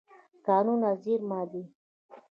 کانونه زېرمه دي.